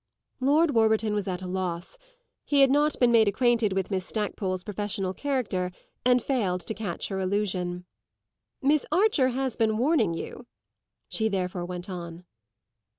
Lord Warburton was at a loss; he had not been made acquainted with Miss Stackpole's professional character and failed to catch her allusion. "Miss Archer has been warning you!" she therefore went on.